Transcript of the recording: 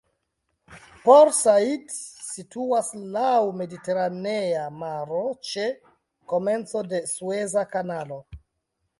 Port Said situas laŭ Mediteranea Maro ĉe komenco de Sueza Kanalo.